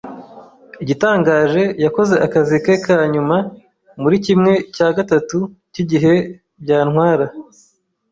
Igitangaje, yakoze akazi ke ka nyuma muri kimwe cya gatatu cyigihe byantwara.